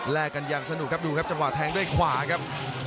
กันอย่างสนุกครับดูครับจังหวะแทงด้วยขวาครับ